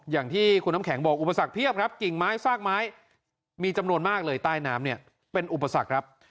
อย่างที่คุณน้ำแข็งบอกอุปสรรคเพียบครับกิ่งไม้ซากไม้มีจำนวนมากเลยใต้น้ำเนี่ยเป็นอุปสรรคครับ